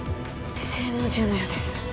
手製の銃のようです